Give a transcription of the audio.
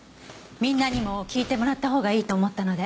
みんなにも聞いてもらったほうがいいと思ったので。